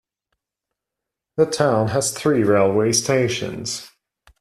The town has three railway stations.